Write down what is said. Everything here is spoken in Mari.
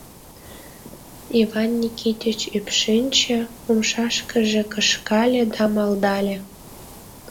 Иван Никитыч ӱпшынчӧ, умшашкыже кышкале да малдале: